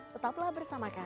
tetaplah bersama kami